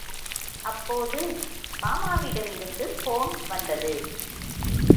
அப்போது மாமாவிடம் இருந்து போன் வந்தது.